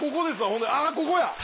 ほんであぁここや！